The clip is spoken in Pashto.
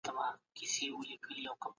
مشران څنګه د روغتیا حق باوري کوي؟